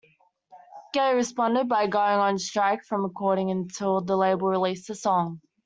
Gaye responded by going on strike from recording until the label released the song.